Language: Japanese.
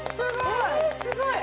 すごい！